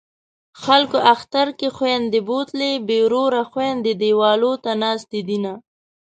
خلکو اختر کې خویندې بوتلې بې وروره خویندې دېواله ته ناستې دینه